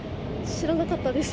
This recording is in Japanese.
知らなかったです。